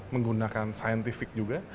menggunakan scientific juga